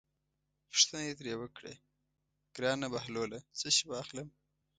پوښتنه یې ترې وکړه: ګرانه بهلوله څه شی واخلم.